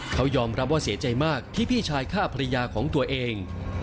เขายอมรับว่าเสียใจมากที่พี่ชายฆ่าภรรยาของตัวเอง